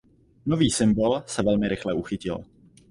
Nový symbol se velmi rychle uchytil.